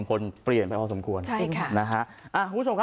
คนเปลี่ยนไปพอสมควรใช่ค่ะนะฮะอ่าคุณผู้ชมครับ